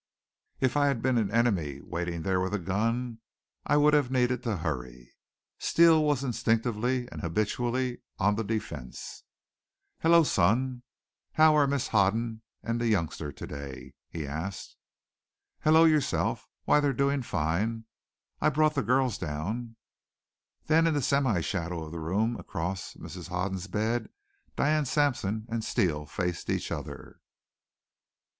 If I had been an enemy waiting there with a gun I would have needed to hurry. Steele was instinctively and habitually on the defense. "Hello, son! How are Mrs. Hoden and the youngster to day?" he asked. "Hello yourself! Why, they're doing fine! I brought the girls down " Then in the semishadow of the room, across Mrs. Hoden's bed, Diane Sampson and Steele faced each other.